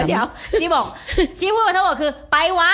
เดี๋ยวจิ๊บบอกจิ๊บพูดมาต้องบอกคือไปวะ